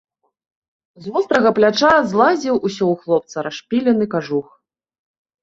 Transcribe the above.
З вострага пляча злазіў усё ў хлапца расшпілены кажух.